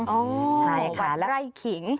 โอ้ยบัตรไล่ขิง